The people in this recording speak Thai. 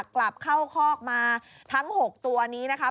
กลับเข้าคอกมาทั้ง๖ตัวนี้นะครับ